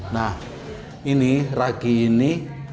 nah ini ragi ini